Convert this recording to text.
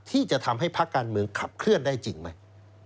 ที่จะทำให้พักการเมืองขับเคลื่อนได้จริงไหม